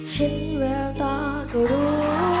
เห็นแววตาก็รู้